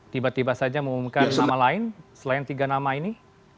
tiba tiba saja mengumumkan nama lain selain tiga nama ini